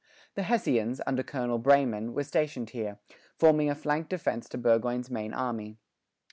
The Hessians, under Colonel Breyman, were stationed here, forming a flank defence to Burgoyne's main army.